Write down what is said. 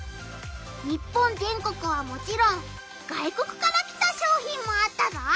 日本全国はもちろん外国から来た商品もあったぞ！